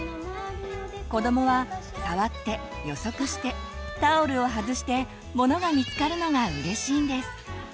子どもは触って予測してタオルを外してものが見つかるのがうれしいんです。